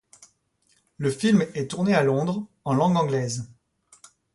Le film est tourné à Londres, en langue anglaise.